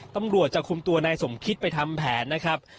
ตำรวจจะคุมตัวนายสมคิตไปทำแผนนะครับ